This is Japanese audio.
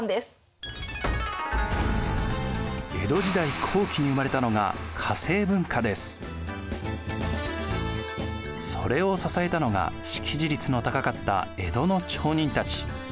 江戸時代後期に生まれたのがそれを支えたのが識字率の高かった江戸の町人たち。